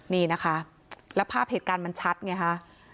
นี่นะคะแล้วภาพเหตุการณ์มันชัดไงคะ